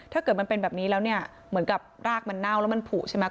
ถ้าเกิดมันเป็นแบบนี้แล้วเนี่ยเหมือนกับรากมันเน่าแล้วมันผูใช่ไหม